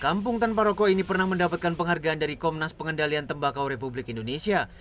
kampung tanpa rokok ini pernah mendapatkan penghargaan dari komnas pengendalian tembakau republik indonesia